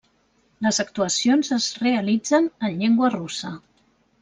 Les actuacions es realitzen en llengua russa.